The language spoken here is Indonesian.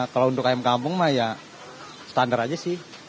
kalau untuk ayam kampung mah ya standar aja sih